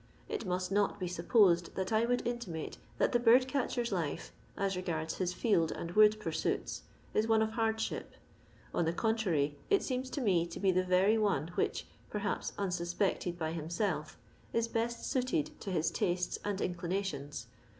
It must not be supposed that I would intimate that the bird catcher's life, as regards his field and wood pursuits, is one of hardship. On the contrary, it seems to me to be the very one which, perhaps unsuspected by himself, is best suited to his tastes and inclinations.